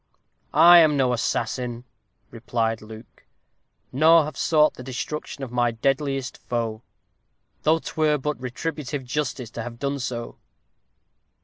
"I am no assassin," replied Luke, "nor have sought the destruction of my deadliest foe though 'twere but retributive justice to have done so."